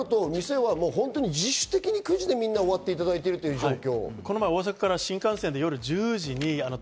店は自主的に９時でみんな終わっていただいている状況。